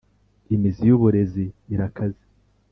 imizi yuburezi irakaze,